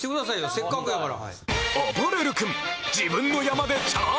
せっかくやから。